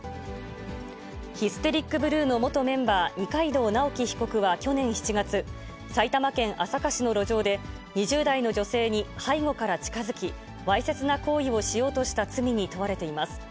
ヒステリックブルーの元メンバー、二階堂直樹被告は、去年７月、埼玉県朝霞市の路上で、２０代の女性に背後から近づき、わいせつな行為をしようとした罪に問われています。